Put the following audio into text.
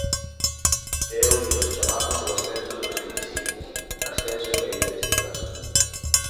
É o que nós chamamos o ascenso dos invisibles, ascenso e caída neste caso.